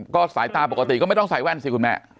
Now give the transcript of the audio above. ก็สายตาปกติก็ไม่ต้องใส่แว่นสิคุณแม่